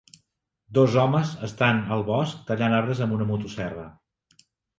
Dos homes estan al bosc tallant arbres amb una motoserra.